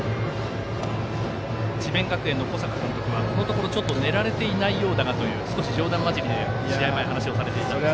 智弁学園の小坂監督はここのところちょっと寝られていないようだがと冗談交じりに試合前、話をされていました。